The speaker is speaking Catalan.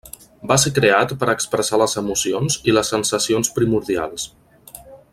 Va ser creat per expressar les emocions i les sensacions primordials.